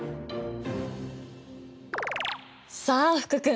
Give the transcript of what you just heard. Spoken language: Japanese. さあ福君